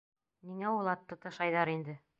— Ниңә ул атты тышайҙар инде?